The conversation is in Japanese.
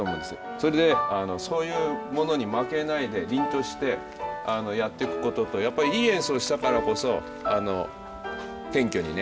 それでそういうものに負けないで凛としてやってくこととやっぱりいい演奏したからこそあの謙虚にね。